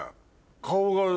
顔が。